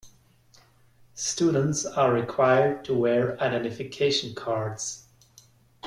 Students are required to wear identification cards.